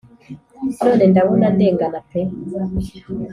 none ndabona ndengana pe